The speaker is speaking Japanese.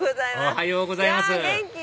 おはようございます元気？